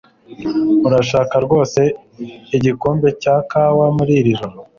Urashaka rwose igikombe cya kawa muri iri joro?